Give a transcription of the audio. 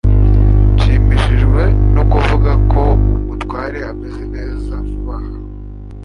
Nshimishijwe no kuvuga ko umutware ameze neza vuba aha